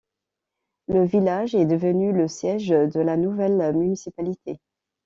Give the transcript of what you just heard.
Le village est devenu le siège de la nouvelle municipalité.